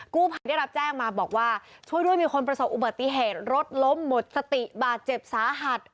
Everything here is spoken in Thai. กู้ภัยได้รับแจ้งมาบอกว่าช่วยด้วยมีคนประสบอุบัติเหตุรถล้มหมดสติบาดเจ็บสาหัส